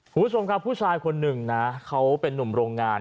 คุณผู้ชมครับผู้ชายคนหนึ่งนะเขาเป็นนุ่มโรงงาน